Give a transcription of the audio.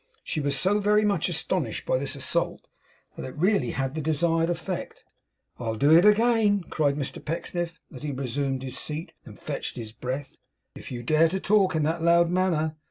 She was so very much astonished by this assault, that it really had the desired effect. 'I'll do it again!' cried Mr Pecksniff, as he resumed his seat and fetched his breath, 'if you dare to talk in that loud manner.